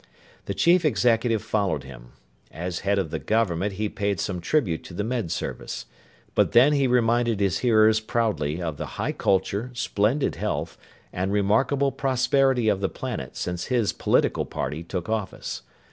The chief executive followed him. As head of the government he paid some tribute to the Med Service. But then he reminded his hearers proudly of the high culture, splendid health, and remarkable prosperity of the planet since his political party took office.